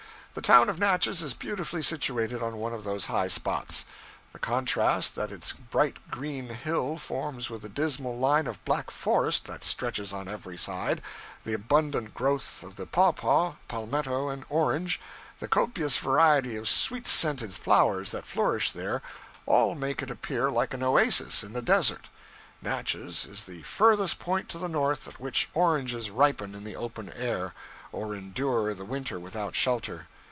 The town of Natchez is beautifully situated on one of those high spots. The contrast that its bright green hill forms with the dismal line of black forest that stretches on every side, the abundant growth of the pawpaw, palmetto and orange, the copious variety of sweet scented flowers that flourish there, all make it appear like an oasis in the desert. Natchez is the furthest point to the north at which oranges ripen in the open air, or endure the winter without shelter.